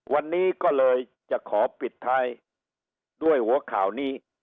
วันนี้ก็เลยจะขอปิดท้ายด้วยหัวข่าวนี้